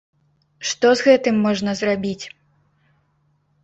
Што з гэтым можна зрабіць?